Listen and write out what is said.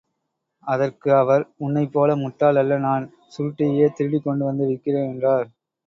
அதற்கு அவர், உன்னைப் போல முட்டாள் அல்ல நான் சுருட்டையே திருடிக் கொண்டுவந்து விற்கிறேன் என்றார்.